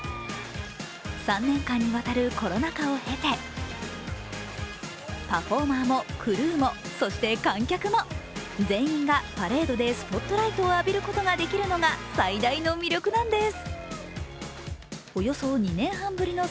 ３年間にわたるコロナ禍を経てパフォーマーも、クルーもそして観客も、全員がパレードでスポットライトを浴びることができるのが最大の魅力なんです。